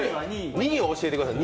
２位を教えてください。